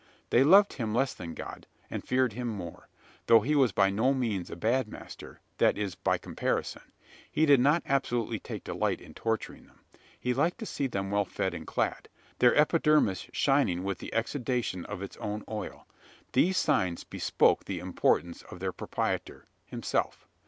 They loved him less than God, and feared him more; though he was by no means a bad master that is, by comparison. He did not absolutely take delight in torturing them. He liked to see them well fed and clad their epidermis shining with the exudation of its own oil. These signs bespoke the importance of their proprietor himself.